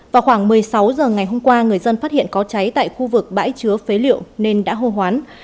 vào khoảng một mươi sáu h ngày hôm qua người dân phát hiện có cháy tại khu vực bãi chứa phế liệu nên đã hô hoán